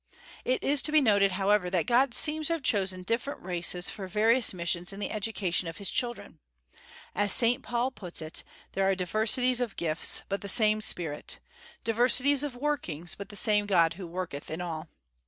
It is to be noted, however, that God seems to have chosen different races for various missions in the education of his children. As Saint Paul puts it, "There are diversities of gifts, but the same Spirit,... diversities of workings, but the same God who worketh in all."